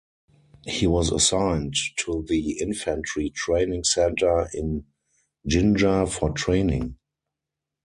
He was assigned to the Infantry Training Centre in Jinja for training.